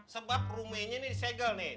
sebab rumahnya ini segel nih